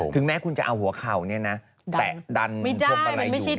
ถึงแม้คุณจะเอาหัวเข่าเนี่ยนะแตะดันพรมประไหร่อยู่